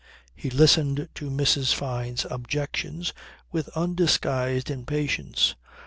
He listened to Mrs. Fyne's objections with undisguised impatience.